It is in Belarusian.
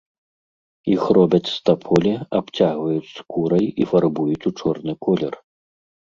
Іх робяць з таполі, абцягваюць скурай і фарбуюць у чорны колер.